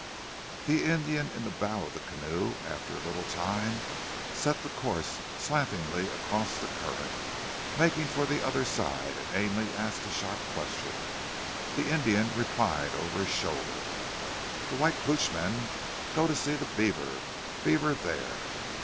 The Indian in the bow of the canoe, after a little time, set the course slantingly across the current, making for the other side, and Ainley asked a sharp question. The Indian replied over his shoulder. "The white Klootchman go to see the beaver! Beaver there!"